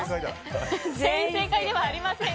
全員正解ではありません。